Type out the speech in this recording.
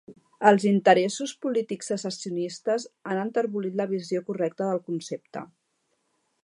Els interessos polítics secessionistes han enterbolit la visió correcta del concepte.